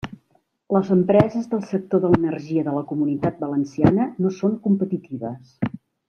Les empreses del sector de l'energia de la Comunitat Valenciana no són competitives.